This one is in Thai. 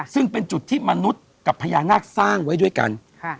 ซึ่งเป็นจุดที่มนุษย์กับพญานาคสร้างไว้ด้วยกัน